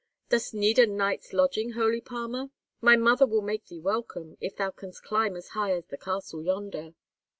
"Dost need a night's lodging, holy palmer? My mother will make thee welcome, if thou canst climb as high as the castle yonder."